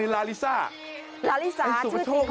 ลาริสาชื่อตีของเขา